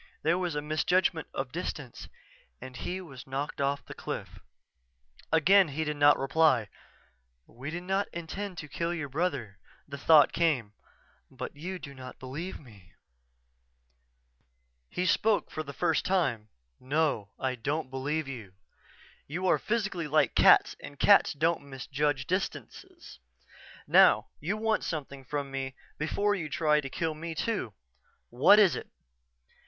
There was a misjudgment of distance and he was knocked off the cliff._" Again he did not reply. "We did not intend to kill your brother," the thought came, "but you do not believe me." He spoke for the first time. "No, I don't believe you. You are physically like cats and cats don't misjudge distances. Now, you want something from me before you try to kill me, too. What is it?"